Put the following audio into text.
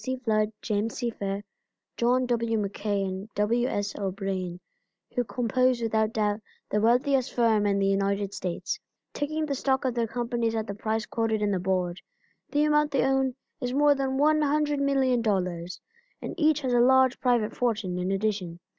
C. Flood, James C. Fair, John W. MacKay and W. S. O'Brien, who compose without doubt the wealthiest firm in the United States. Taking the stock of their companies at the price quoted in the board, the amount they own is more than $100,000,000, and each has a large private fortune in addition.